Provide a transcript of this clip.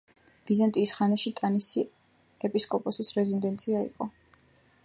ბიზანტიის ხანაში ტანისი ეპისკოპოსის რეზიდენცია იყო.